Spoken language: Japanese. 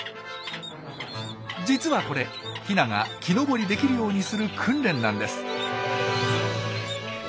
実はこれヒナが木登りできるようにする訓練なんです。